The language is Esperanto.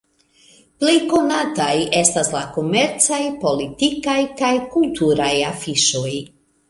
Plej konataj estas la komercaj, politikaj kaj kulturaj afiŝoj.